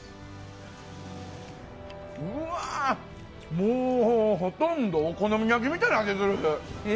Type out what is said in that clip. もうほとんどお好み焼きみたいな味がする。